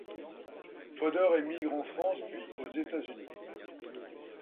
Fodor émigre en France puis aux États-Unis.